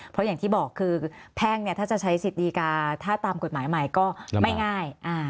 เพราะอย่างที่บอกคือแพ่งถ้าจะใช้สิทธิ์ดีกาถ้าตามกฎหมายใหม่ก็ไม่ง่าย